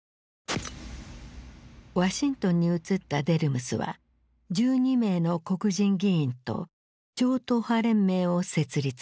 ワシントンに移ったデルムスは１２名の黒人議員と超党派連盟を設立する。